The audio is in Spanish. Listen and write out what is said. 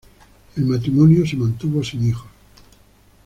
El matrimonio se mantuvo sin hijos.